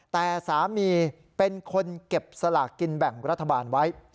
แต่สามีเป็นคนเก็บสลากกินแบ่งรัฐบาลไว้